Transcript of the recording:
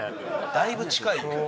だいぶ近いよ。